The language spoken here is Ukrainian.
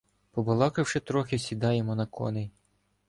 Побалакавши трохи, сідаємо на коней.